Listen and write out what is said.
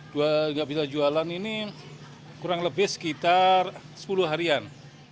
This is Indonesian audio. tidak bisa jualan ini kurang lebih sekitar sepuluh harian